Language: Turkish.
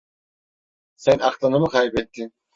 Sen aklını mı kaybettin?